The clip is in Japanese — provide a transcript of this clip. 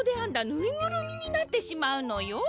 ぬいぐるみになってしまうのよ。